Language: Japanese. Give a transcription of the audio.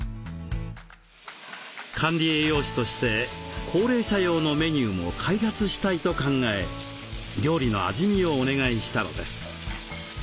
管理栄養士として高齢者用のメニューも開発したいと考え料理の味見をお願いしたのです。